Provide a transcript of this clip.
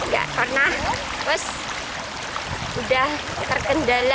ya karena pues udah terkendala